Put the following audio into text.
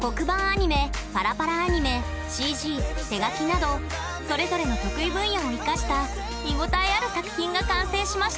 アニメパラパラアニメＣＧ手描きなどそれぞれの得意分野を生かした見応えある作品が完成しました！